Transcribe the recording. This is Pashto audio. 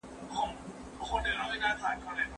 پوه سړي د حق او عدالت خبره وکړه.